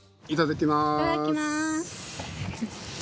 いただきます。